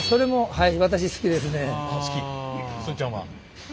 はい。